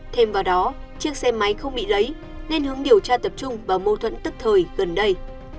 thêm vào đó chiếc xe máy không bị lấy nên hướng điều tra tập trung vào mâu thuẫn tức thời gần đây